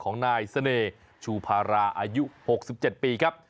ของนายเสน่ห์ชูพาราอายุ๖๗ปีครับ